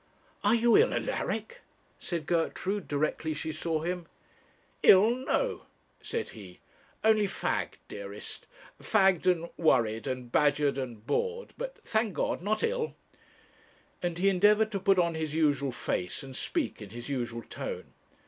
'Are you ill, Alaric?' said Gertrude, directly she saw him. 'Ill! No,' said he; 'only fagged, dearest; fagged and worried, and badgered and bored; but, thank God, not ill;' and he endeavoured to put on his usual face, and speak in his usual tone.